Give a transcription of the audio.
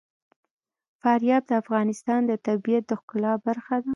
فاریاب د افغانستان د طبیعت د ښکلا برخه ده.